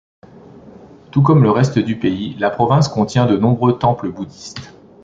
Tout comme le reste du pays, la province contient de nombreux temples bouddhistes.